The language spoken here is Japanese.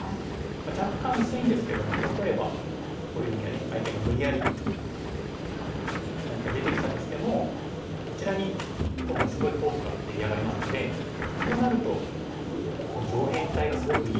若干薄いんですけども例えばこういうふうに相手が無理やり何か出てきたとしてもこちらに今度はすごいフォースが出来上がりますのでそうなると上辺一帯がすごくいい模様になってきますよね。